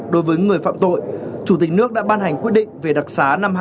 đối với người phạm tội chủ tịch nước đã ban hành quyết định về đặc giá năm hai nghìn hai mươi một